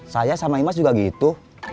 saya sama imas juga gitu